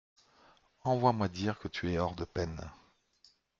Envoie-moi dire que tu es hors de peine.